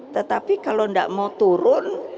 tetapi kalau tidak mau turun